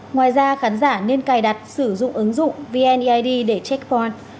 ngoài ra khán giả nên cài đặt sử dụng ứng dụng vneid để check on